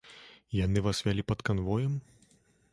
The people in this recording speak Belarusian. Яны вас вялі пад канвоем?